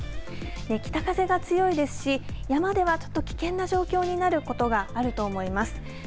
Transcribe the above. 北風が強いですし山ではちょっと危険な状況になることがあると思います。